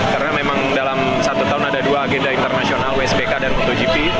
karena memang dalam satu tahun ada dua agenda internasional wsbk dan motogp